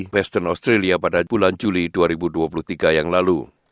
western australia pada bulan juli dua ribu dua puluh tiga yang lalu